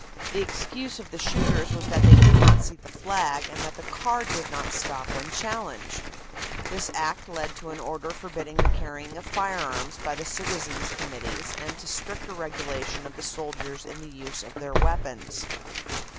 The excuse of the shooters was that they did not see the flag and that the car did not stop when challenged. This act led to an order forbidding the carrying of firearms by the citizens' committees and to stricter regulation of the soldiers in the use of their weapons.